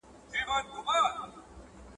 د دې غم کیسه اوږده ده له پېړیو ده روانه